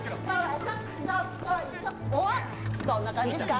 どんな感じっすか？